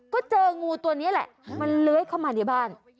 ก็เจองูตัวนี้แหละมันเลื้อยเข้ามาในบ้าน